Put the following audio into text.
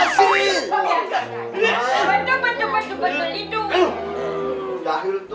bantuk bantuk bantuk itu